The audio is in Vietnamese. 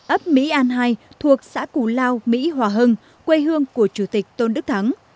ấp mỹ an hai thuộc xã củ lao mỹ hòa hưng quê hương của chủ tịch tôn đức thắng